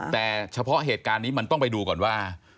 แต่เฉพาะเหตุการณ์นี้มันต้องไปดูก่อนว่า